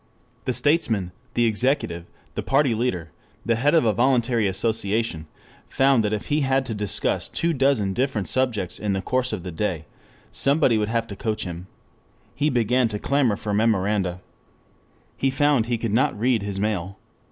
The statesman, the executive, the party leader, the head of a voluntary association, found that if he had to discuss two dozen different subjects in the course of the day, somebody would have to coach him. He began to clamor for memoranda. He found he could not read his mail.